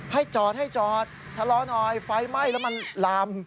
ให้จอดทะเลาหน่อยไฟไหม้แล้วมันลาม